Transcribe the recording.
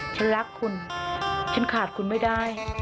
ฉันรักคุณฉันขาดคุณไม่ได้